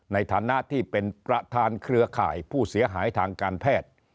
ในฐานะที่เป็นประธานเครือข่ายผู้เสียหายทางการแพทย์